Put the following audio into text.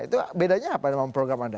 itu bedanya apa dengan program anda